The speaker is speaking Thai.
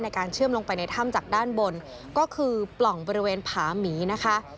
การเชื่อมลงไปในถ้ำจากด้านบนก็คือปล่องบริเวณผาหมีนะคะ